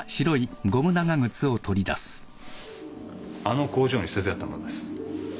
あの工場に捨ててあったものです。